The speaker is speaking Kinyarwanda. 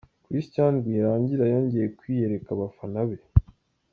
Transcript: Christian Rwirangira yongeye kwiyereka abafana be.